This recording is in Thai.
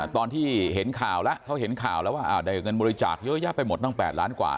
ตอนที่เขาเห็นข่าวแล้วว่าในเงินธรรมบริจาคเยอะแยะไปหมด๘ล้านบาทกว่า